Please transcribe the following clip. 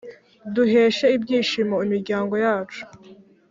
Duheshe ibyishimo imiryango yacu